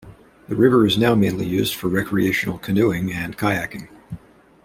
The river is now mainly used for recreational canoeing, and kayaking.